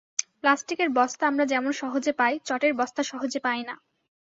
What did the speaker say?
প্লাস্টিকের বস্তা আমরা যেমন সহজে পাই, চটের বস্তা সহজে পাই না।